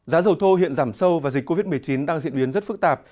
giá dầu thô hiện giảm sâu và dịch covid một mươi chín đang diễn biến rất phức tạp